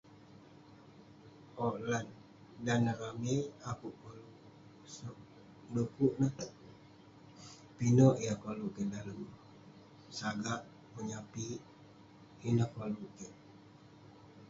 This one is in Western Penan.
Owk..dan neh ramei, akouk koluk..du'kuk neh..pinekbyah ayuk kik koluk dalem neh..sagak, menyape',ineh koluk kik..